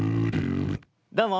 どうも！